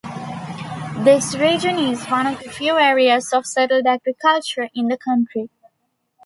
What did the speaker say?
This region is one of the few areas of settled agriculture in the country.